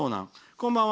「こんばんは。